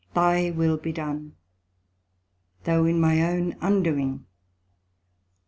Thy will be done, though in my own undoing.